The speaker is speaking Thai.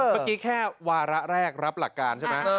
เมื่อกี้แค่วาระแรกรับหลักการใช่ไหม